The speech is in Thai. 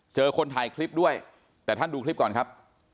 คนถ่ายคลิปด้วยแต่ท่านดูคลิปก่อนครับ